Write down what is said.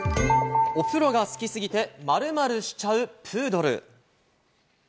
お風呂が好きすぎて、〇〇しちゃうプードル。